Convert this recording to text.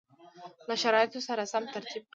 له شرایطو سره سم ترتیب کړي